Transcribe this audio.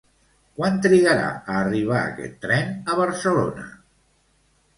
Quant trigarà a arribar aquest tren a Barcelona?